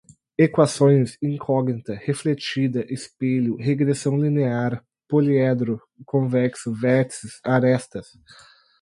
Equações, incógnita, refletida, espelho, regressão linear, poliedro convexo, vértices, arestas